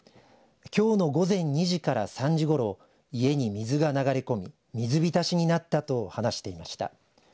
きょうの午前２時から３時ごろ家に水が流れ込み水浸しになったと話していました。